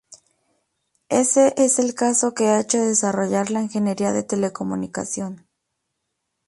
Ese es el caso que ha hecho desarrollar la ingeniería de telecomunicación.